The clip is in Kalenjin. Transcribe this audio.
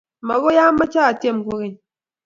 mokoi ameche atiem kogeny.